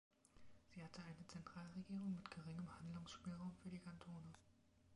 Sie hatte eine Zentralregierung mit geringem Handlungsspielraum für die Kantone.